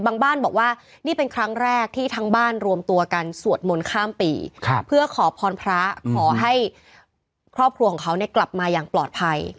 บ้านบอกว่านี่เป็นครั้งแรกที่ทั้งบ้านรวมตัวกันสวดมนต์ข้ามปีเพื่อขอพรพระขอให้ครอบครัวของเขาเนี่ยกลับมาอย่างปลอดภัย